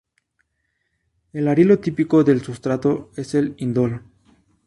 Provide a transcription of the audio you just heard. El arilo típico del sustrato es el indol.